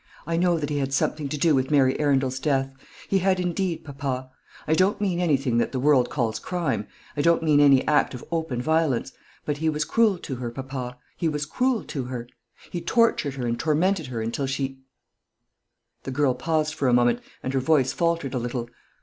I know that he had something to do with Mary Arundel's death. He had indeed, papa. I don't mean anything that the world calls crime; I don't mean any act of open violence. But he was cruel to her, papa; he was cruel to her. He tortured her and tormented her until she " The girl paused for a moment, and her voice faltered a little.